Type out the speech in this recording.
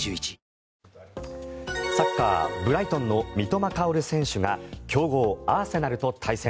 ブライトンの三笘薫選手が強豪アーセナルと対戦。